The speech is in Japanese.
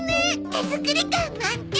手作り感満点！